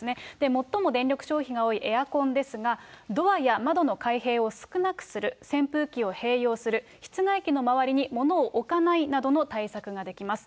最も電力消費が多いエアコンですが、ドアや窓の開閉を少なくする、扇風機を併用する、室外機の周りに物を置かないなどの対策ができます。